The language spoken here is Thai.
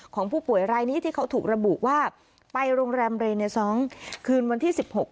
ของผู้ป่วยรายนี้ที่เขาถูกระบุว่าไปโรงแรมเรเนซองคืนวันที่๑๖